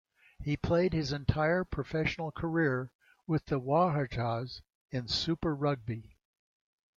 He played his entire professional career with the Waratahs in Super Rugby.